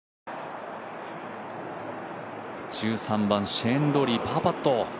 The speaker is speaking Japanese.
１３番、シェーン・ローリーパーパット。